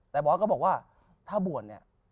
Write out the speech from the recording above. แต่บอสก็บอกว่าถ้าบวชเนี่ย